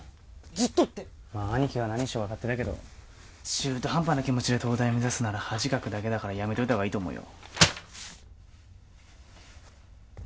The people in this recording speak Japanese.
ずっとって兄貴が何しようが勝手だけど中途半端な気持ちで東大目指すなら恥かくだけだからやめといた方がいいと思うよ